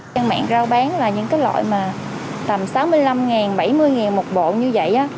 trang mạng rau bán là những cái loại mà tầm sáu mươi năm bảy mươi một bộ như vậy